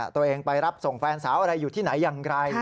ตัวเองไปรับส่งแฟนสาวอะไรอยู่ที่ไหนอย่างไร